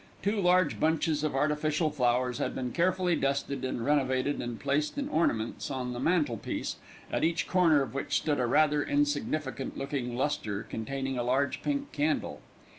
Two large bunches of artificial flowers had been carefully dusted and renovated and placed in ornaments on the mantel piece, at each corner of which stood a rather insignificant looking lustre containing a large pink candle.